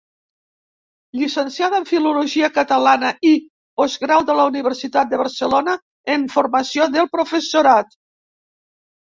Llicenciada en Filologia catalana i Postgrau de la Universitat de Barcelona en Formació del professorat.